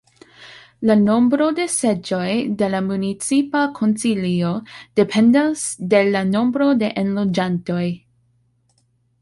La nombro de seĝoj de la municipa Konsilio dependas de la nombro de enloĝantoj.